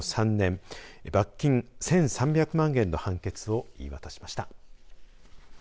罰金１３００万円の判決を言い渡しました。